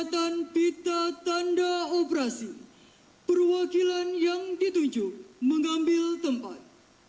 dan pita tanda operasi perwakilan yang dituju mengambil tempat